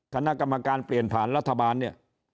คณะกรรมการเปลี่ยนผ่านรัฐบาลเนี่ย